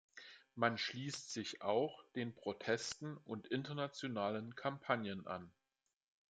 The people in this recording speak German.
Man schließt sich auch den Protesten und internationalen Kampagnen an.